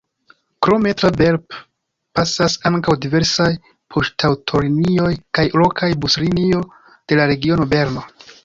Krome tra Belp pasas ankaŭ diversaj poŝtaŭtolinioj kaj lokaj buslinio de la regiono Berno.